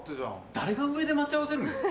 誰が上で待ち合わせるんだよ。